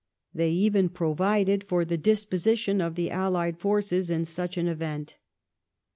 ^ They even /provided for the disposition of the allied j forces in such an event.